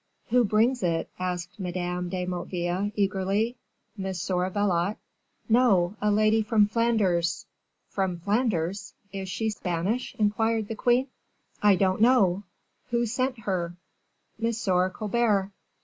"Who brings it?" asked Madame de Motteville, eagerly; "Monsieur Valot?" "No; a lady from Flanders." "From Flanders? Is she Spanish?" inquired the queen. "I don't know." "Who sent her?" "M. Colbert."